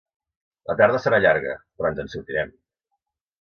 La tarda serà llarga, però ens en sortirem!